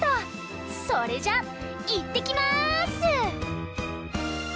それじゃいってきます！